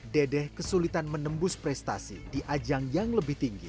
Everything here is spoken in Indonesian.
dedeh kesulitan menembus prestasi di ajang yang lebih tinggi